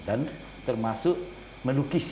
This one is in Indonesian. dan termasuk menukis